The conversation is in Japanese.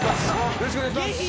よろしくお願いします。